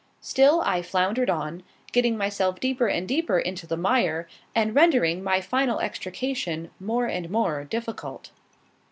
Still I floundered on, getting myself deeper and deeper in the mire, and rendering my final extrication more and more difficult.